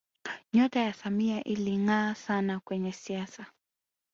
nyota ya samia ilingaa sana kwenye siasa